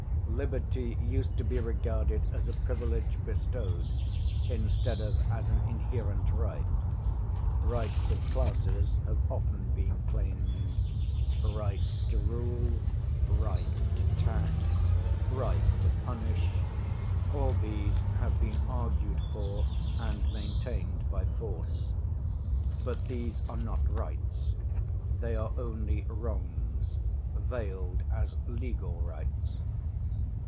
Liberty used to be regarded as a privilege bestowed, instead of as an inherent right; rights of classes have often been claimed: right to rule, right to tax, right to punish, all these have been argued for and maintained by force; but these are not rights, they are only wrongs veiled as legal rights.